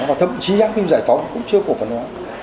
và thậm chí hãng phim giải phóng cũng chưa cổ phần hóa